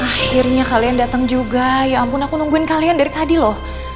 akhirnya kalian datang juga ya ampun aku nungguin kalian dari tadi loh